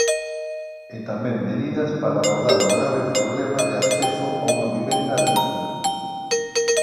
E tamén medidas para abordar o grave problema de acceso a unha vivenda digna.